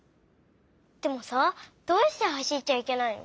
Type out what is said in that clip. でもさどうしてはしっちゃいけないの？